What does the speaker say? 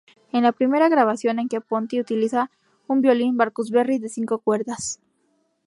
Es la primera grabación en que Ponty utiliza un violín Barcus-Berry de cinco cuerdas.